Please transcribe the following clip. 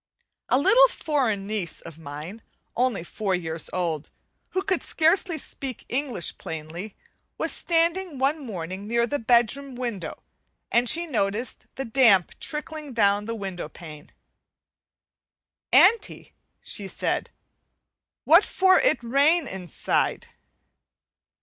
A little foreign niece of mine, only four years old, who could scarcely speak English plainly, was standing one morning near the bedroom window and she noticed the damp trickling down the window pane. "Auntie," she said, "what for it rain inside?"